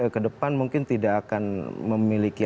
ke depan mungkin tidak akan memiliki